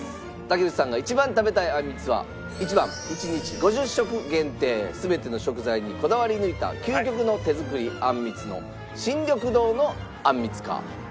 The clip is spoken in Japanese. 竹内さんが一番食べたいあんみつは１番１日５０食限定全ての食材にこだわり抜いた究極の手作りあんみつの深緑堂のあんみつか？